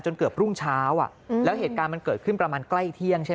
เกือบรุ่งเช้าอ่ะแล้วเหตุการณ์มันเกิดขึ้นประมาณใกล้เที่ยงใช่ไหม